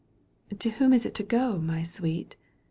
" To whom is it to go, my sweet